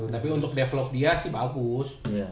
tapi untuk develop dia sih bagus